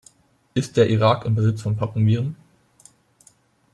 Ist der Irak im Besitz von Pockenviren?